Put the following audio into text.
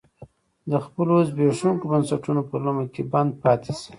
د خپلو زبېښونکو بنسټونو په لومه کې بند پاتې شي.